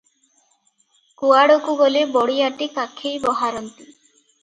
କୁଆଡକୁ ଗଲେ ବଡ଼ିଆଟି କାଖେଇ ବାହାରନ୍ତି ।